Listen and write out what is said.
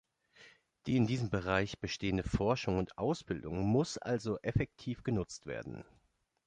Die in diesem Bereich bestehende Forschung und Ausbildung muss also effektiv genutzt werden.